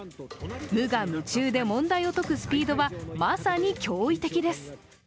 無我夢中で問題を解くスピードはまさに驚異的です。